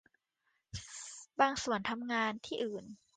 บางส่วนทำงานที่อื่น